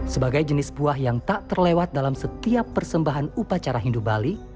sebagai jenis buah yang tak terlewat dalam setiap persembahan upacara hindu bali